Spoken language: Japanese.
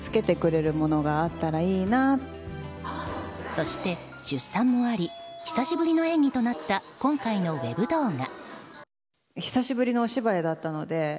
そして出産もあり久しぶりの演技となった今回のウェブ動画。